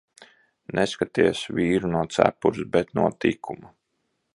Neskaities vīru no cepures, bet no tikuma.